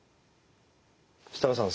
設樂さん